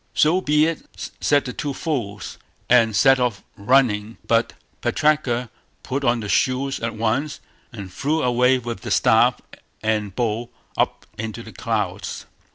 "So be it", said the two fools, and set off running, but Putraka put on the shoes at once, and flew away with the staff and bowl up into the clouds".